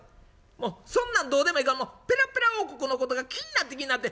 もうそんなんどうでもええからもうペラペラ王国のことが気になって気になって。